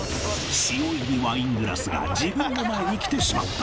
塩入りワイングラスが自分の前に来てしまった